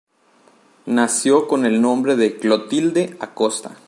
Nació con el nombre de Clotilde Acosta.